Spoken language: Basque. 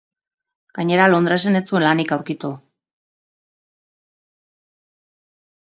Gainera Londresen ez zuen lanik aurkitu.